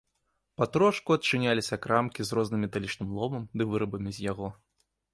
Патрошку адчыняліся крамкі з розным металічным ломам ды вырабамі з яго.